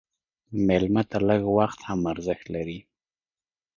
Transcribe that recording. مېلمه ته لږ وخت هم ارزښت لري.